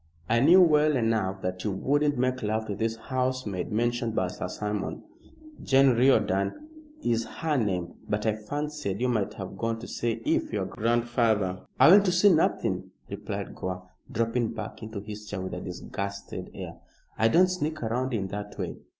I knew well enough that you wouldn't make love to this housemaid mentioned by Sir Simon Jane Riordan is her name. But I fancied you might have gone to see if your grandfather " "I went to see nothing," replied Gore, dropping back into his chair with a disgusted air. "I don't sneak round in that way.